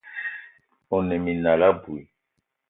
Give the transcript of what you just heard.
One minal abui.